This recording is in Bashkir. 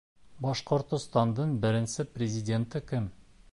Башҡортостандың беренсе президенты кем?